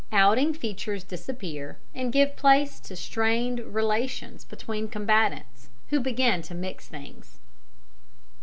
OUTING FEATURES DISAPPEAR, AND GIVE PLACE TO STRAINED RELATIONS BETWEEN COMBATANTS, WHO BEGIN TO MIX THINGS.